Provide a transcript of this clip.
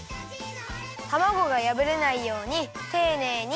たまごがやぶれないようにていねいに。